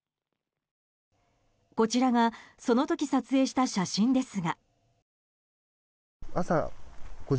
こちらがその時撮影した写真ですが。